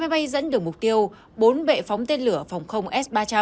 hai máy bay dẫn đường mục tiêu bốn bệ phóng tên lửa phòng không s ba trăm linh